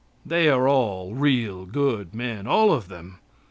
They are all real good men, all of them.